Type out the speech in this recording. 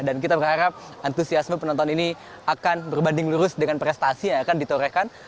dan kita berharap antusiasme penonton ini akan berbanding lurus dengan prestasi yang akan ditorehkan